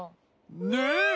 ねえ！